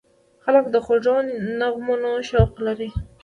خلک د خوږو نغمو شوق لري.